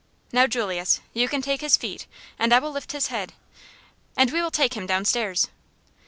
Now, Julius, you can take his feet and I will lift his head, and we will take him downstairs."